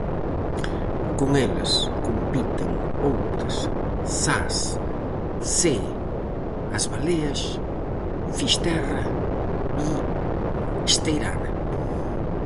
Con eles, compiten Outes, Zas, Cee, As Baleas, Fisterra e Esteirana.